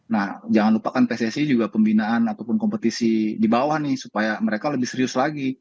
nah jangan lupa kan pssi juga pembinaan ataupun kompetisi di bawah nih supaya mereka lebih serius lagi